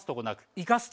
生かすと。